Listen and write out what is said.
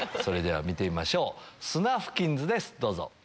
それでは見てみましょうスナフキンズですどうぞ。